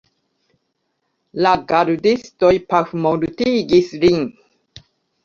La gardistoj pafmortigis lin.